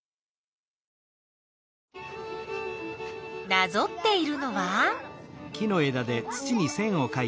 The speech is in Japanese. なぞっているのは。